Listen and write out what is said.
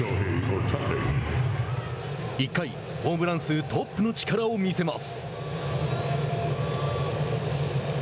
１回、ホームラン数トップの力を見せます。